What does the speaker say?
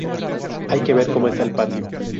¡Hay que ver cómo está el patio!